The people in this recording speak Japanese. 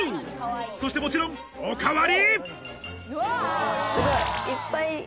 そして、もちろんおかわり！